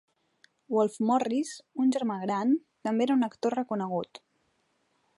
Wolfe Morris, un germà gran, també era un actor reconegut.